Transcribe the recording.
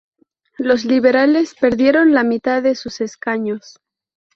Los liberales perdieron la mitad de sus escaños.